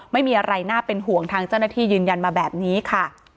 ไม่มีอะไรน่าเป็นห่วงทางเจ้าหน้าที่ยืนยันมาแบบนี้ค่ะ